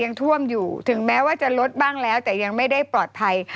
ยังท่วมอยู่ถึงแม้ว่าจะลดบ้างแล้วแต่ยังไม่ได้ปลอดภัย